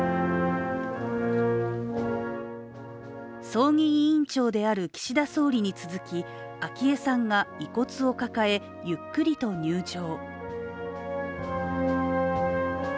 葬儀委員長である岸田総理に続き昭恵さんが遺骨を抱えゆっくりと入場。